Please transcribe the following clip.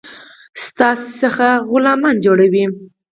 ستاسي څخه غلامان جوړوي.